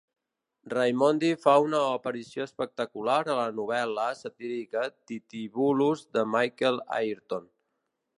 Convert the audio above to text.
Raimondi fa una aparició espectacular a la novel·la satírica Tittivulus de Michael Ayrton.